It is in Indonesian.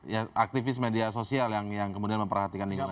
ya aktivis media sosial yang kemudian memperhatikan lingkungan